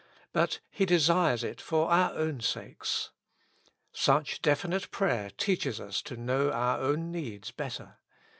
But He desires it for our own sakes. Such definite prayer teaches us to know our own needs better.